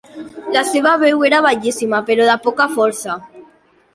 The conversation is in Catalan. La seva veu era bellíssima, però de poca força.